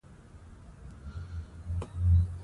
د کابل سیند د افغان نجونو د پرمختګ لپاره فرصتونه برابروي.